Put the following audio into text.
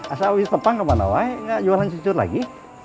asal habis tepang kemana ya enggak jualan cucu lagi